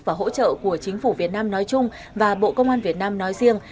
và hỗ trợ của chính phủ việt nam nói chung và bộ công an việt nam nói riêng